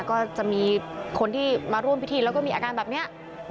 ก็จะมีคนที่มาร่วมพิธีแล้วก็มีอาการแบบนี้